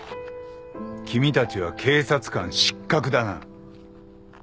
君たちは警察官失格だな。